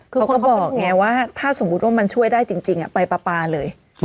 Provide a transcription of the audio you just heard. เขาก็บอกไงว่าถ้าสมมุติว่ามันช่วยได้จริงไปปลาเลย